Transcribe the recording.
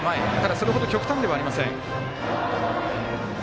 それほど極端ではありません。